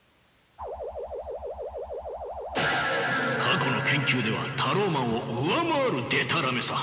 過去の研究ではタローマンを上回るでたらめさ。